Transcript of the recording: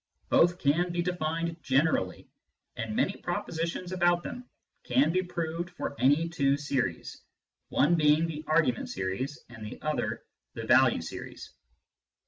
Both can be defined generally, and many propositions about them can be proved for any two series (one being the argument series and the other the value series).